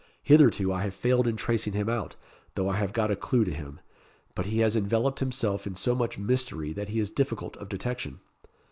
Hitherto, I have failed in tracing him out, though I have got a clue to him; but he has enveloped himself in so much mystery that he is difficult of detection.